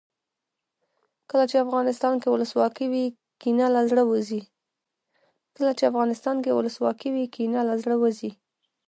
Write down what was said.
کله چې افغانستان کې ولسواکي وي کینه له زړه وځي.